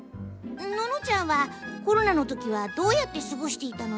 ののちゃんはコロナのときはどうやってすごしていたの？